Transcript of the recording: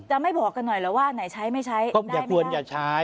ไม่บอกกันหน่อยแล้วว่าไหนใช้ไม่ใช้อย่ากวนอย่าใช้